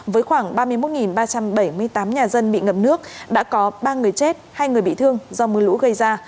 với khoảng ba mươi một ba trăm bảy mươi tám nhà dân bị ngập nước đã có ba người chết hai người bị thương do mưa lũ gây ra